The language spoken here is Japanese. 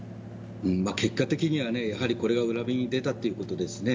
結果的には、やはりこれが裏目に出たということですね。